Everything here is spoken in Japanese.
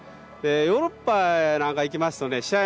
ヨーロッパへなんか行きますとね試合